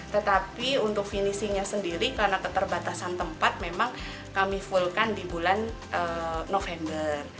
tetapi untuk finishingnya sendiri karena keterbatasan tempat memang kami fullkan di bulan november